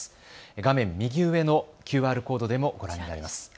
画面右上のＱＲコードでもご覧になれます。